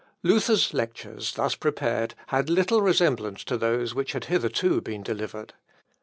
" Seckend., p. 55. Luther's lectures, thus prepared, had little resemblance to those which had hitherto been delivered.